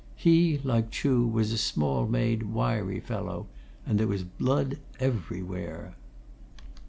He, like Chuh, was a small made, wiry fellow. And there was blood everywhere.